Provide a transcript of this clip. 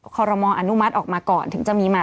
คอรมออนุมัติออกมาก่อนถึงจะมีมา